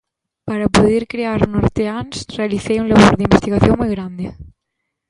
Para poder crear Norteáns realicei un labor de investigación moi grande.